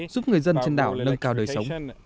giúp người dân trên đảo nâng cao đời sống